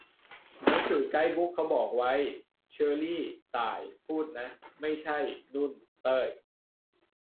"หนังสือไกด์บุ๊กเขาบอกไว้" เชอรี่ ต่าย พูดนะ ไม่ใช่ นุ่น เต้ย